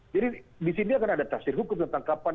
jadi disini akan ada kasir hukum tentang kapan